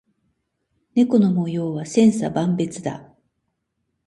猫の模様は千差万別だ。